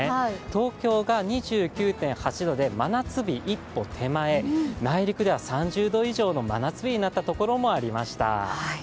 東京が２９．８度で真夏日一歩手前、内陸では３０度以上の真夏日になった所もありました。